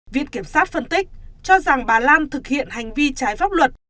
viện kiểm sát phân tích cho rằng bà lan thực hiện hành vi trái pháp luật